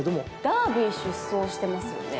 ダービー出走してますよね？